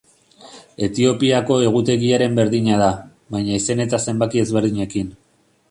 Etiopiako egutegiaren berdina da, baina izen eta zenbaki ezberdinekin.